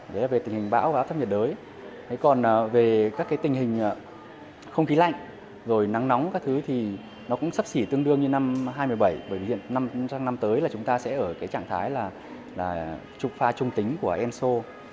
bởi vì hiện năm tới là chúng ta sẽ ở trạng thái trục pha trung tính của enso